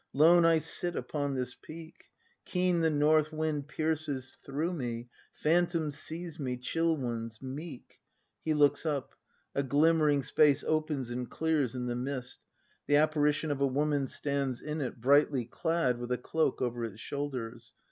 Lone I sit upon this peak! ACT V] BRAND 291 Keen the north wind pierces through me. Phantoms seize me, chill ones, meek ! He looks up; a glimmering space opens and clears in the mist; the Apparition of a Woman stands in it, brightly clad, with a cloak over its shoulders.